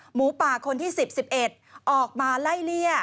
หมูป่าคนที่๑๐๑๑ออกมาไล่เลี่ย